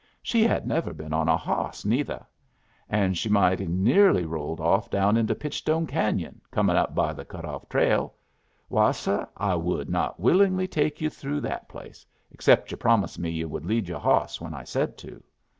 She had never been on a hawss, neither. And she mighty near rolled off down into Pitchstone Canyon, comin' up by the cut off trail. Why, seh, I would not willingly take you through that place, except yu' promised me yu' would lead your hawss when I said to.